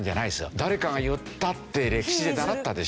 誰かが言ったって歴史で習ったでしょ？